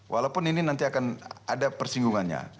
walaupun ini nanti akan ada persinggungannya